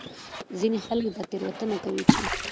ځینې خلک دا تېروتنه کوي چې